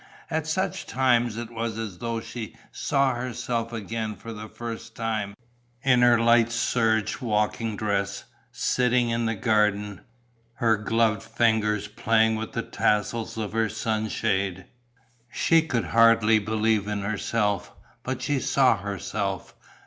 At such times it was as though she saw herself again for the first time, in her light serge walking dress, sitting in the garden, her gloved fingers playing with the tassels of her sunshade. She could hardly believe in herself, but she saw herself.